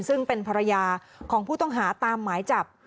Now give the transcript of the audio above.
ซึ่งเป็นภรรยาของผู้ต้องหาตามหมายจับ